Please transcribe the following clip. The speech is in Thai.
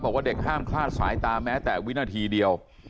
บอกว่าเด็กห้ามคลาดสายตาแม้แต่วินาทีเดียว